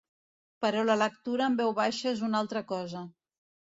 Però la lectura en veu baixa és una altra cosa.